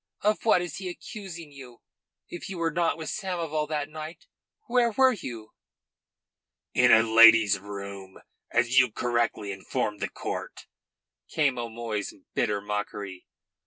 Of what is he accusing you? If you were not with Samoval that night, where were you?" "In a lady's room, as you correctly informed the court," came O'Moy's bitter mockery.